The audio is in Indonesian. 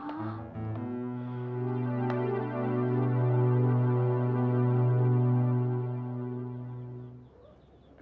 rasanya tidak masuk di akal pak